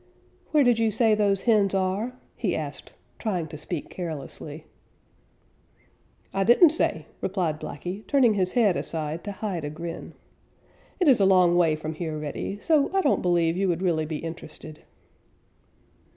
"Where did you say those hens are?" he asked, trying to speak carelessly. "I didn't say," replied Blacky, turning his head aside to hide a grin. "It is a long way from here, Reddy, so I don't believe you would really be interested."